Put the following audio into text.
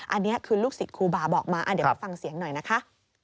อันนี้คือลูกศิษย์ครูบาบอกมาเดี๋ยวไปฟังเสียงหน่อยนะคะ